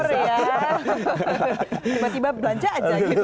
tiba tiba belanja aja gitu